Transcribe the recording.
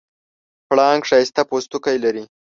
پړانګ ښایسته پوستکی لري.